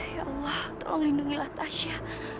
ya allah tolong lindungilah tasha